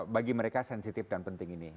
bagi mereka sensitif dan penting ini